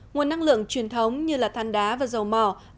nguồn năng lượng truyền thống như than đá và dầu mỏ